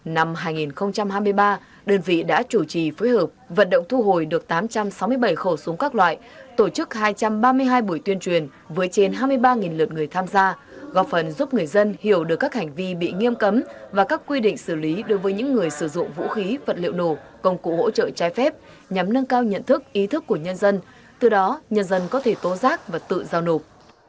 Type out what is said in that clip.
năm hai nghìn hai mươi ba đơn vị đã chủ trì phối hợp vận động thu hồi được tám trăm sáu mươi bảy khẩu súng các loại tổ chức hai trăm ba mươi hai buổi tuyên truyền với trên hai mươi ba lượt người tham gia góp phần giúp người dân hiểu được các hành vi bị nghiêm cấm và các quy định xử lý đối với những người sử dụng vũ khí vật liệu nổ công cụ hỗ trợ trái phép nhằm nâng cao nhận thức ý thức của nhân dân từ đó nhân dân có thể tố rác và tự giao nộp